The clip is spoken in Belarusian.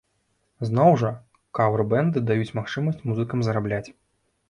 Зноў жа, кавер-бэнды даюць магчымасць музыкам зарабляць.